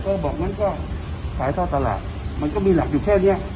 ก็บอกงั้นก็ขายท่อตลาดมันก็มีหลักอยู่แค่เนี้ย